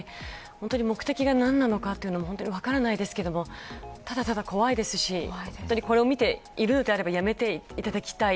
目的が何なのか分からないですがただただ怖いですしこれを見ているのであればやめていただきたい。